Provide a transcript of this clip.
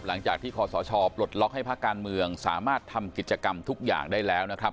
หลังจากที่คอสชปลดล็อกให้ภาคการเมืองสามารถทำกิจกรรมทุกอย่างได้แล้วนะครับ